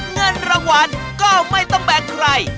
เงินรางวัลก็ไม่ต้องแบ่งใคร